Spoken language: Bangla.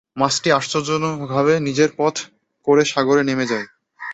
মাছটি আশ্চর্যজনকভাবে নিজের পথ করে সাগরে নেমে যায়।